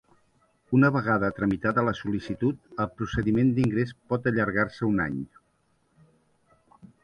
Una vegada tramitada la sol·licitud, el procediment d’ingrés pot allargar-se un any.